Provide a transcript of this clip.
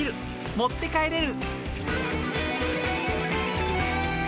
持って帰れる！